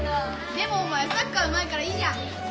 でもお前サッカーうまいからいいじゃん！